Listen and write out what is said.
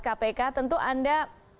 kpk tentu anda